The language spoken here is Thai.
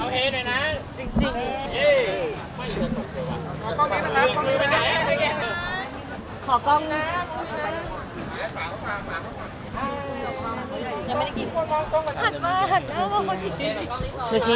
พี่ไทยเหรออันนี้ได้มั้ย